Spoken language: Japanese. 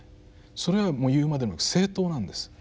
それはもう言うまでもなく政党なんです。